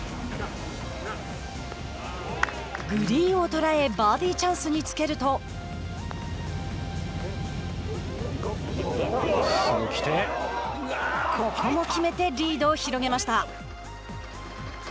グリーンを捉えバーディーチャンスにつけるとここも決めてリードを広げました。